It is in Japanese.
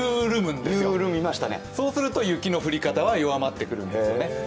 そうすると雪の降り方は弱まってくるんですね。